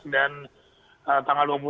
dan tanggal dua puluh satu